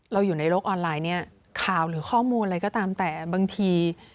อยู่ในโลกออนไลน์เนี่ยข่าวหรือข้อมูลอะไรก็ตามแต่บางที